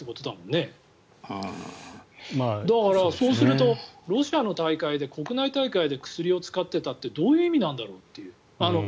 だから、そうするとロシアの国内大会で薬を使ってたってどういう意味なんだろうという。